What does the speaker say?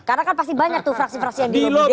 karena kan pasti banyak tuh fraksi fraksi yang di lobi